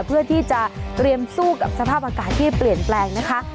เพื่อที่จะเตรียมสู้กับสภาพอากาศที่เปลี่ยนแปลงนะคะ